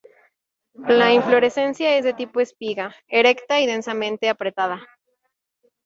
La inflorescencia es de tipo espiga, erecta y densamente apretada.